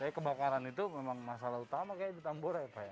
tapi kebakaran itu memang masalah utama kayak di tambora ya pak ya